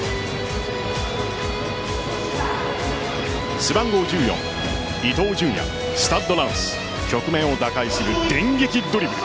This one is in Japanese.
背番号１４・伊東純也スタッドランス局面を打開する電撃ドリブル。